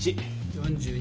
４２。